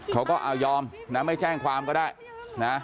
เขาก็เอายอมนะไม่แจ้งความก็ได้นะ